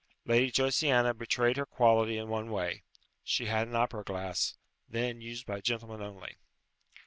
Lady Josiana betrayed her quality in one way; she had an opera glass, then used by gentlemen only.